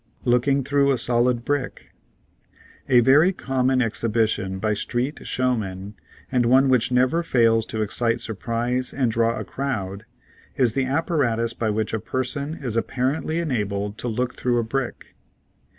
LOOKING THROUGH A SOLID BRICK VERY common exhibition by street showmen, and one which never fails to excite surprise and draw a crowd, is the apparatus by which a person is apparently enabled to look through a brick.